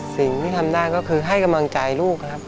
สิ่งที่ทำได้ก็คือให้กำลังใจลูกครับ